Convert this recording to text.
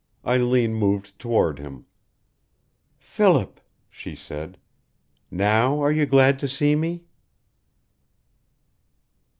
Eileen moved toward him. "Philip," she said, "now are you glad to see me?"